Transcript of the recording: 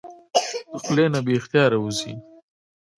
د خلې نه بې اختياره اوځي